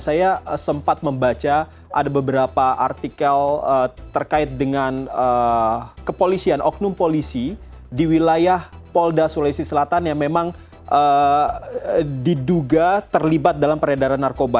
saya sempat membaca ada beberapa artikel terkait dengan kepolisian oknum polisi di wilayah polda sulawesi selatan yang memang diduga terlibat dalam peredaran narkoba